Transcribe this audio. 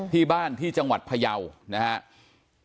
ที่บ้านที่จังหวัดพยาวนะครับ